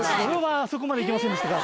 そこまでいけませんでしたか。